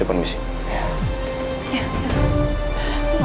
untuk memuaskan ego anda